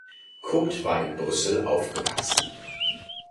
Kurt war in Brüssel aufgewachsen.